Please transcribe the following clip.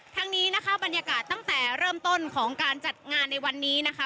ทั้งนี้นะคะบรรยากาศตั้งแต่เริ่มต้นของการจัดงานในวันนี้นะคะ